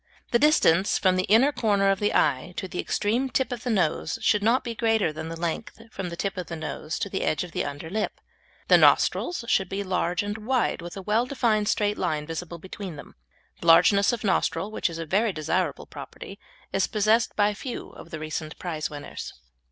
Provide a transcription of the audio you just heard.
The distance from the inner corner of the eye to the extreme tip of the nose should not be greater than the length from the tip of the nose to the edge of the under lip. The nostrils should be large and wide, with a well defined straight line visible between them. The largeness of nostril, which is a very desirable property, is possessed by few of the recent prize winners.